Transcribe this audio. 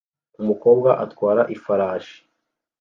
Umukobwa atwara ifarashi